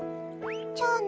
じゃあね。